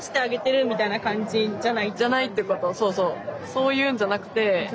そういうんじゃなくて。